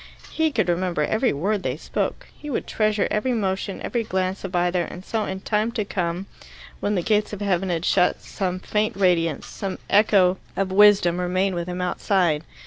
He could remember every word they spoke. He would treasure every motion, every glance of either, and so in time to come, when the gates of heaven had shut, some faint radiance, some echo of wisdom might remain with him outside.